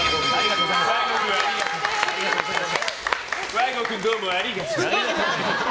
和合君、どうもありがとう。